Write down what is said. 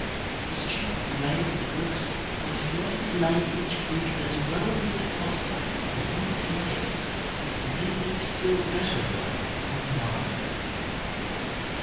The student who lays the bricks must learn to lay each brick as well as it is pos sible for him to lay it, and then do still better work on the morrow.